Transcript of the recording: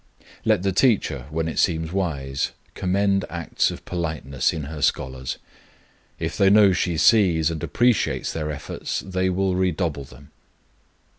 Let the teacher, when it seems wise, commend acts of politeness in her scholars. If they know she sees and appreciates their efforts, they will redouble them.